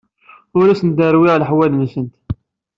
Ur asent-rewwiɣ leḥwal-nsent.